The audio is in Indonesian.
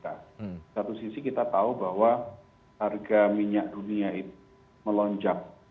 di satu sisi kita tahu bahwa harga minyak dunia itu melonjak